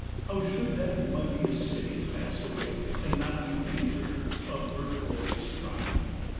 How should that mightiest city pass away And not bethink her of her glorious prime.